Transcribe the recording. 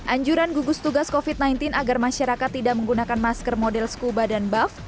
anjuran gugus tugas covid sembilan belas agar masyarakat tidak menggunakan masker model skuba dan buff